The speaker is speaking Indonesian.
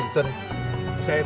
nah rasanya